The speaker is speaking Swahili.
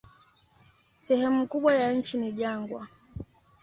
Sehemu kubwa ya nchi ni jangwa.